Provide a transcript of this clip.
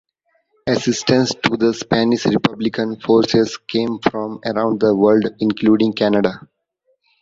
Assistance to the Spanish Republican forces came from around the world, including Canada.